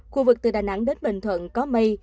khu vực từ đà nẵng đến bình thuận có mây